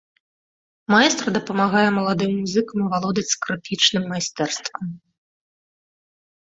Маэстра дапамагае маладым музыкам авалодаць скрыпічным майстэрствам.